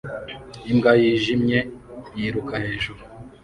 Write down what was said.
Imbwa yijimye yiruka hejuru